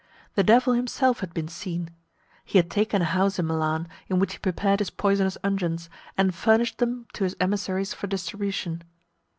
The Devil himself had been seen. He had taken a house in Milan, in which he prepared his poisonous unguents, and furnished them to his emissaries for distribution.